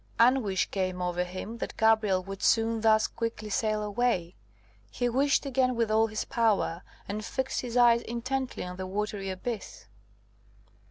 Anguish came over him, that Gabrielle would soon thus quickly sail away; he wished again with all his power, and fixed his eyes intently on the watery abyss.